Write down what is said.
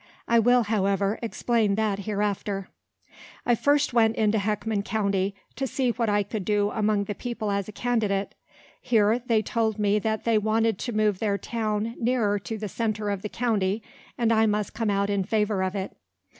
I will, however, explain that hereafter. I went first into Heckman county, to see what I could do among the people as a candidate. Here they told me that they wanted to move their town nearer to the centre of the county, and I must come out in favour of it.